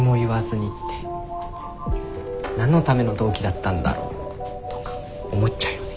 何のための同期だったんだろとか思っちゃうよね。